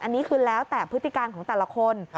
อันนี้คือแล้วแต่พฤติการของแต่ละคน